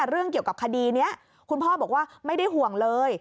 เรื่องเกี่ยวกับคดีนี้คุณพ่อบอกว่าไม่ได้ห่วงเลย